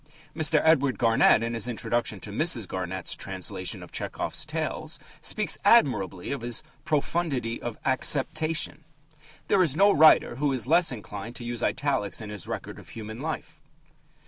Mr. Edward Garnett, in his introduction to Mrs. Garnett's translation of Tchehov's tales, speaks admirably of his "profundity of acceptation." There is no writer who is less inclined to use italics in his record of human life.